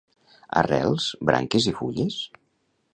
Arrels, branques i fulles?